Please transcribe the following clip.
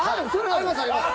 あります、あります。